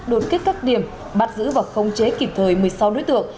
đột kết các điểm bắt giữ và không chế kịp thời một mươi sáu đối tượng